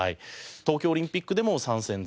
東京オリンピックでも３戦全敗。